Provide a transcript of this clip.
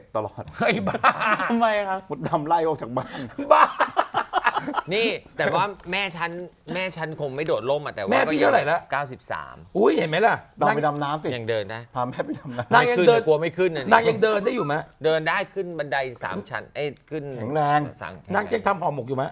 ทำค้าอมุกอยู่ไหม